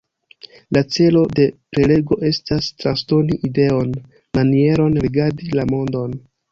La celo de prelego estas transdoni ideon, manieron rigardi la mondon...